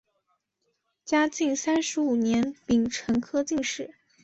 嘉靖三十五年丙辰科进士。